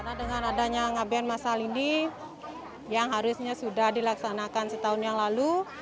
karena dengan adanya ngaben masal ini yang harusnya sudah dilaksanakan setahun yang lalu